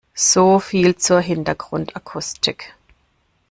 So viel zur Hintergrundakustik.